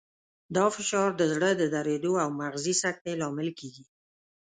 دا فشار د زړه د دریدو او مغزي سکتې لامل کېږي.